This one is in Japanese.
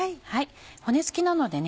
骨付きなのでね